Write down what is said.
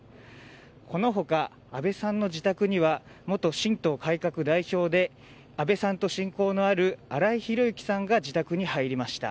この他、安倍さんの自宅には元新党改革代表で安倍さんと親交のある荒井広幸さんが自宅に入りました。